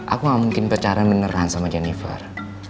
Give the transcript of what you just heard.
aku gak mungkin pacaran beneran sama jennifer